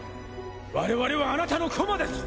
我々はあなたの駒です！